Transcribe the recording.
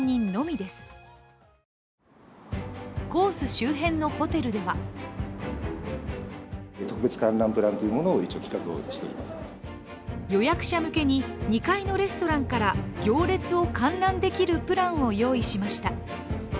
周辺のホテルでは予約者向けに２階のレストランから行列を観覧できるプランを用意しました。